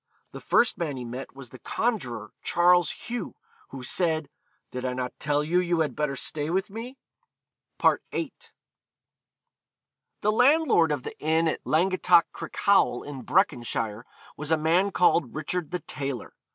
The first man he met was the conjuror Charles Hugh, who said, 'Did I not tell you you had better stay with me?' VIII. The landlord of the inn at Langattock Crickhowel, in Breconshire, was a man called Richard the Tailor.